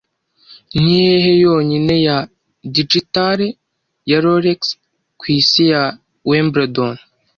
Nihehe yonyine ya digitale ya rolex ku isi ya Wimbledon